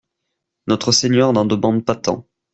Notre Seigneur n'en demande pas tant!